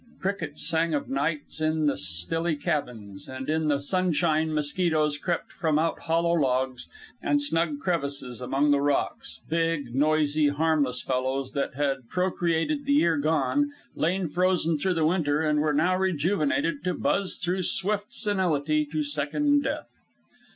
Crickets sang of nights in the stilly cabins, and in the sunshine mosquitoes crept from out hollow logs and snug crevices among the rocks, big, noisy, harmless fellows, that had procreated the year gone, lain frozen through the winter, and were now rejuvenated to buzz through swift senility to second death.